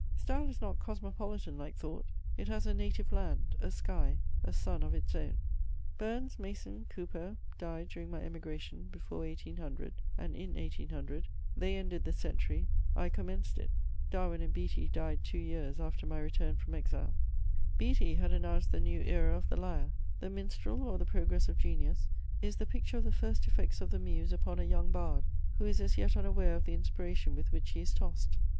Style is not cosmopolitan like thought: it has a native land, a sky, a sun of its own. Burns, Mason, Cowper died during my emigration, before 1800 and in 1800: they ended the century; I commenced it. Darwin and Beattie died two years after my return from exile. [Sidenote: James Beattie.] Beattie had announced the new era of the lyre. The Minstrel, or the Progress of Genius is the picture of the first effects of the muse upon a young bard who is as yet unaware of the inspiration with which he is tossed.